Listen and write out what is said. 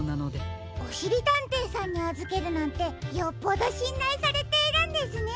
おしりたんていさんにあずけるなんてよっぽどしんらいされているんですね。